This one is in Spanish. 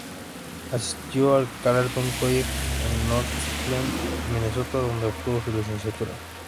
Asistió al Carleton College en Northfield, Minnesota donde obtuvo su licenciatura.